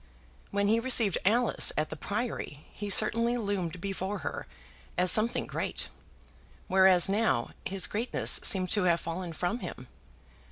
When he received Alice at the Priory he certainly loomed before her as something great, whereas now his greatness seemed to have fallen from him.